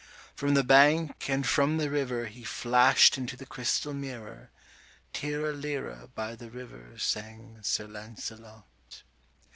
From the bank and from the river 105 He flash'd into the crystal mirror, 'Tirra lirra,' by the river Sang Sir Lancelot.